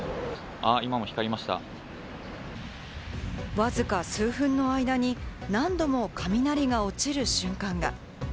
わずか数分の間に何度も雷が落ちる瞬間が。